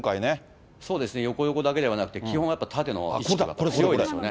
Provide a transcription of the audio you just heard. そうですね、横、横だけではなくて、基本はやっぱり縦の意識が強いですよね。